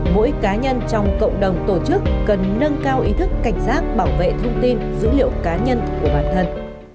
mỗi cá nhân trong cộng đồng tổ chức cần nâng cao ý thức cảnh giác bảo vệ thông tin dữ liệu cá nhân của bản thân